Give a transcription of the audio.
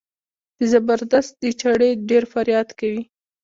د زبردست د چړې ډېر فریاد کوي.